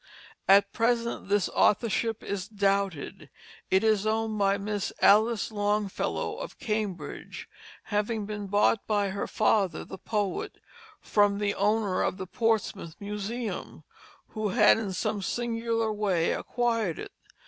At present this authorship is doubted. It is owned by Miss Alice Longfellow of Cambridge, having been bought by her father, the poet, from the owner of the Portsmouth Museum, who had in some singular way acquired it.